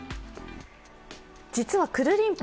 実は、くるりんぱ。